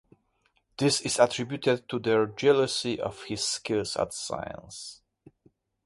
This is attributed to their jealousy of his skills at science.